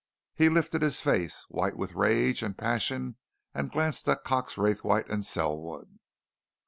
He lifted a face white with rage and passion and glanced at Cox Raythwaite and Selwood.